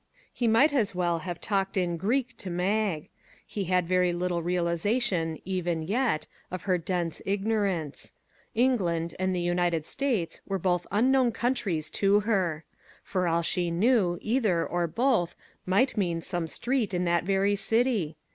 He might as well have talked in Greek to Mag. He had very little realization, even yet, of her dense ignorance. England and the United States were both unknown countries to her. For all she knew, either, or both, might mean some street in that very city.